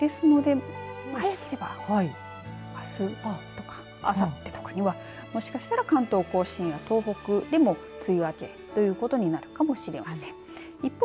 ですので、早ければあすとかあさってとかにはもしかしたら関東甲信や東北でも梅雨明けということになるかもしれません。